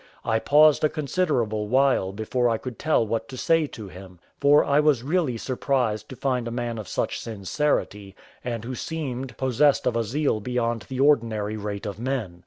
I paused a considerable while before I could tell what to say to him; for I was really surprised to find a man of such sincerity, and who seemed possessed of a zeal beyond the ordinary rate of men.